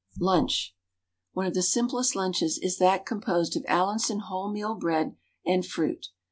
LUNCH. One of the simplest lunches is that composed of Allinson wholemeal bread and fruit.